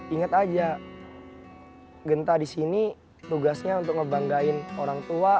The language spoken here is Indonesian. ingat aja genta di sini tugasnya untuk ngebanggain orang tua